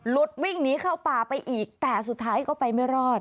วิ่งหนีเข้าป่าไปอีกแต่สุดท้ายก็ไปไม่รอด